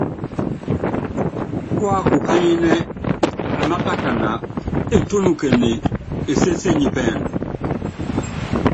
Púákukányínɛ́, amákatana, etúnukene, esésenyi pɛɛndu.